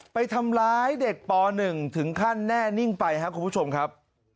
ไปทำร้ายเด็กป๑ถึงขั้นแน่นิ่งไปครับคุณผู้ชมครับ